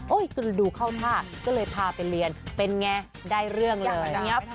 โอ้ยก็จะดูเข้าท่าก็เลยพาไปเรียนเป็นไงได้เรื่องเลย